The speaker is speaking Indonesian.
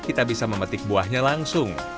kita bisa memetik buahnya langsung